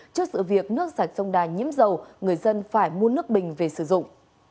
trước sự việc nước sạch sông đà nhiễm dầu người dân phải mua nước bình về sử dụng